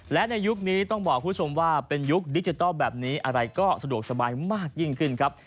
และในยุคนี้ต้องบอกคุณผู้ชมว่าเป็นยุคดิจิทัลแบบนี้อะไรก็สะดวกสบายมากยิ่งขึ้นครับ